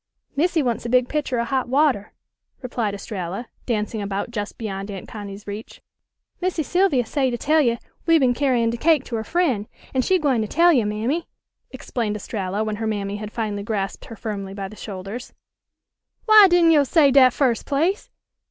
"Missy wants a big pitcher of hot water," replied Estralla, dancing about just beyond Aunt Connie's reach. "Missy Sylvia say to tell you we been carryin' de cake to her fr'en', an' she gwine to tell you, Mammy," explained Estralla when her mammy had finally grasped her firmly by the shoulders. "W'y didn' yo' say dat firs' place?